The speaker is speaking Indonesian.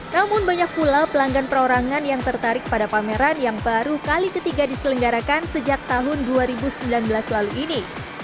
namun banyak pula pelanggan perorangan yang tertarik pada pameran yang baru kali ketiga diselenggarakan sejak tahun dua ribu sembilan belas lalu ini